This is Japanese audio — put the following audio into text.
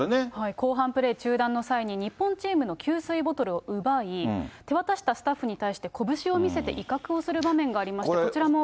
後半プレー中断の際に、日本チームの給水ボトルを奪い、手渡したスタッフに対して拳を見せて威嚇をする場面がありました。